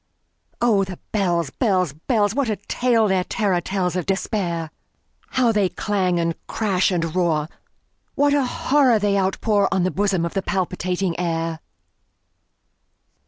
Oh, the bells, bells, bells! What a tale their terror tellsOf Despair! How they clang, and clash, and roar! What a horror they outpourOn the bosom of the palpitating air!